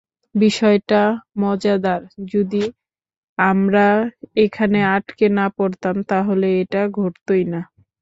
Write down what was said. বিষয়টা মজাদার, যদি আমরা এখানে আটকে না পড়তাম, তাহলে এটা ঘটতই না।